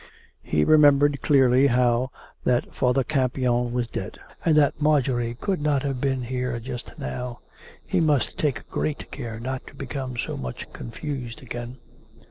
He remembered clearly how that Father Campion was dead, and that Marjorie could not have been here just now. ... He must take great care not to become so much confused again.